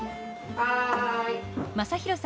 はい！